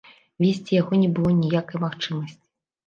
Весці яго не было ніякай магчымасці.